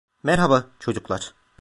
Merhaba, çocuklar.